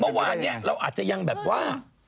ก็บุตรปาก